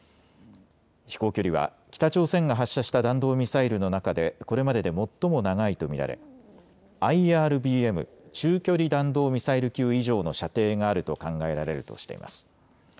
飛行距離は北朝鮮が発射した弾道ミサイルの中でこれまでで最も長いと見られＩＲＢＭ・中距離弾道ミサイル級以上の射程があると考えられるとしています。